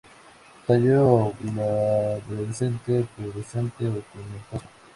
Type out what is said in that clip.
Tallo glabrescente, pubescente o tomentoso.